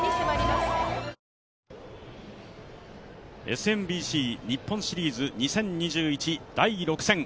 ＳＭＢＣ日本シリーズ２０２１、第６戦。